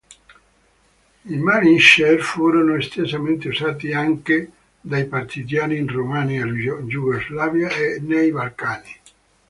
I Mannlicher furono estesamente usati anche dai partigiani in Romania, Iugoslavia e nei Balcani.